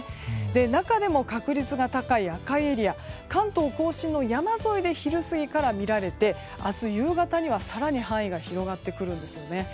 中でも確率が高い赤いエリア関東・甲信の山沿いで昼過ぎから見られて明日夕方には更に範囲が広がってくるんですね。